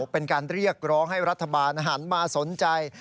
เป็นการเรียกร้องให้รัฐบาลหันมาสนใจ